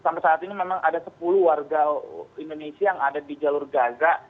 sampai saat ini memang ada sepuluh warga indonesia yang ada di jalur gaza